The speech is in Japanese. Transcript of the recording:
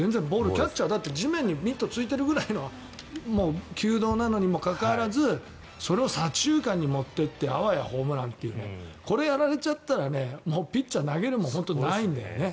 キャッチャー、だって地面にミットがついているぐらいの球道にもかかわらずそれを左中間に持っていってあわやホームランというこれやられちゃったらピッチャー投げるものがないんだよね。